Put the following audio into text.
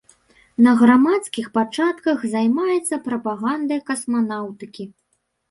На грамадскіх пачатках займаецца прапагандай касманаўтыкі.